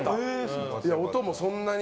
音もそんなに。